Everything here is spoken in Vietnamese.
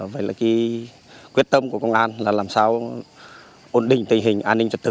vậy là cái quyết tâm của công an là làm sao ổn định tình hình an ninh trật tự